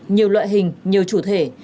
nhiều loại hình nhiều chủ thể